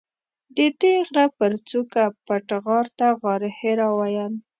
ددې غره پر څوکه پټ غار ته غارحرا ویل.